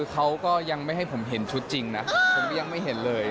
เขาก็ยังไม่ให้ผมเห็นชุดจริงนะผมก็ยังไม่เห็นเลย